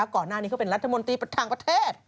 ก่อนหน้านี้เขาเป็นรัฐมนตรีทางประเทศ